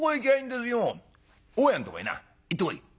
「大家んとこへな行ってこい」。